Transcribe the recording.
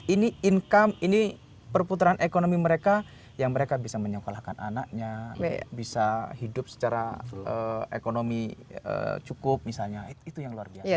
ini income ini perputaran ekonomi mereka yang mereka bisa menyekolahkan anaknya bisa hidup secara ekonomi cukup misalnya itu yang luar biasa